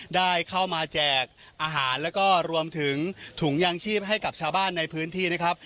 ได้เข้ามาแจกอาหารแล้วก็รวมถึงถุงยางชีพให้กับชาวบ้านในพื้นที่นะครับ